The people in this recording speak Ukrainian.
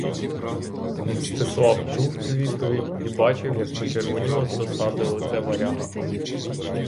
Мстислав чув цю відповідь і бачив, як почервоніло з досади лице варяга.